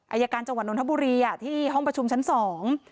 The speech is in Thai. อายการจังหวัดนทบุรีอ่ะที่ห้องประชุมชั้นสอง